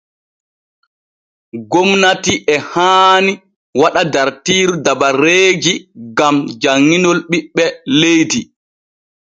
Gomnati e haani waɗa dartiiru dabareeji gam janŋinol ɓiɓɓe leydi.